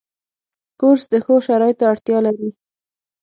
کورس د ښو شرایطو اړتیا لري.